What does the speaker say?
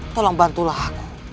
tolong bantulah aku